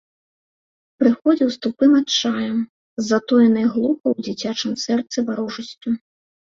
Прыходзіў з тупым адчаем, з затоенай глуха ў дзіцячым сэрцы варожасцю.